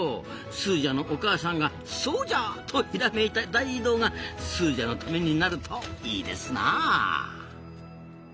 スージャのお母さんがそうじゃ！とひらめいた大移動がスージャのためになるといいですな。